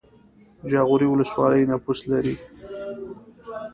جاغوری ولسوالۍ نفوس لري؟